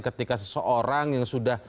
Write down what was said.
ketika seseorang yang sudah